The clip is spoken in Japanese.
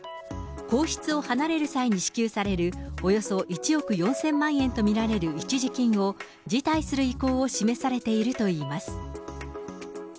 皇室を離れる際に支給される、およそ１億４００万円と見られる一時金を辞退する意向を示されているといいます。